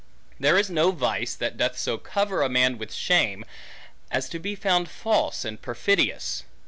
There is no vice, that doth so cover a man with shame, as to be found false and perfidious.